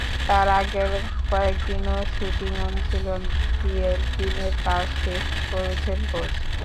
তার আগের কয়েক দিনও শুটিং অনুশীলন দিয়ে দিনের কাজ শেষ করেছেন কোচ।